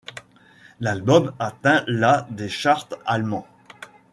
L'album atteint la des charts allemands.